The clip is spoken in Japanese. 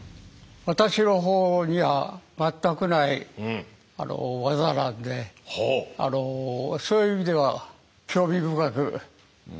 私の方には全くない技なんでそういう意味では興味深く拝見させて頂きました。